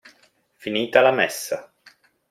Finita la Messa.